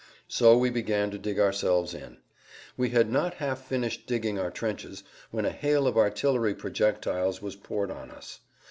So we began to dig ourselves in. We had not half finished digging our trenches when a hail of artillery projectiles was poured on us.